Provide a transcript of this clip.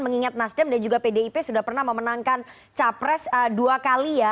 mengingat nasdem dan juga pdip sudah pernah memenangkan capres dua kali ya